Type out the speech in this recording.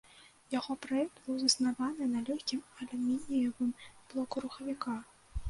Яго праект быў заснаваны на лёгкім алюмініевым блоку рухавіка.